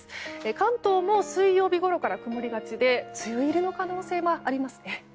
関東も水曜日ごろから曇りがちで梅雨入りの可能性はありますね。